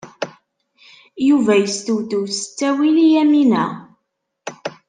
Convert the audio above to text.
Yuba yestewtew s ttawil i Yamina.